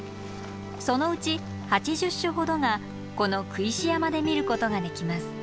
そのうち８０種ほどがこの工石山で見ることができます。